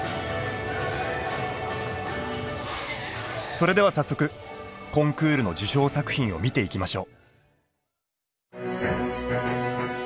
それでは早速コンクールの受賞作品を見ていきましょう。